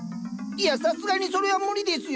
いやさすがにそれは無理ですよ。